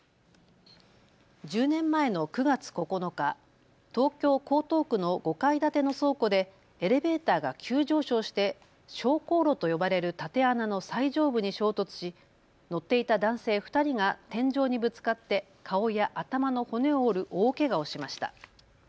１０年前の９月９日、東京江東区の５階建ての倉庫でエレベーターが急上昇して昇降路と呼ばれる縦穴の最上部に衝突し、乗っていた男性２人が天井にぶつかって顔や頭の骨を折る大けがをしました。